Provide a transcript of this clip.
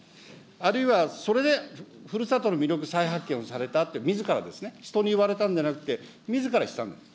あるいは、それで、ふるさとの魅力、再発見をされたというね、みずからですね、人に言われたんじゃなくて、みずから、したんです。